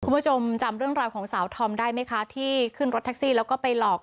คุณผู้ชมจำเรื่องราวของสาวธอมได้ไหมคะที่ขึ้นรถแท็กซี่แล้วก็ไปหลอก